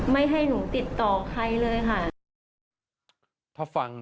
ไม่ให้หนูติดต่อใครเลยค่ะ